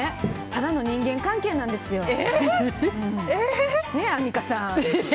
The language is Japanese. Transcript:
ただの人間関係なんですよ。ね、アンミカさん。